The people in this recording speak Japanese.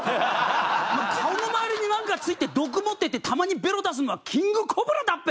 顔の周りになんかついて毒持っててたまにベロ出すのはキングコブラだっぺ！